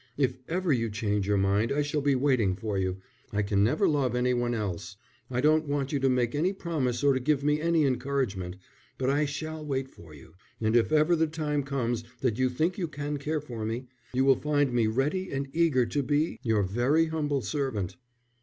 "If ever you change your mind I shall be waiting for you. I can never love any one else. I don't want you to make any promise or to give me any encouragement. But I shall wait for you. And if ever the time comes that you think you can care for me, you will find me ready and eager to be your very humble servant."